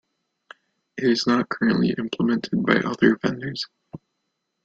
It is not currently implemented by other vendors.